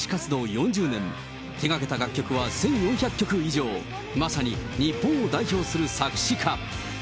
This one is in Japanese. ４０年、手がけた楽曲は１４００曲以上、まさに日本を代表する作詞家。